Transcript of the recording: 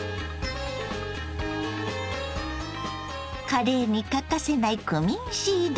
カレーに欠かせないクミンシード。